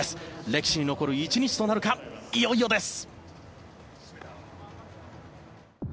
歴史に残る１日となるかいよいよです。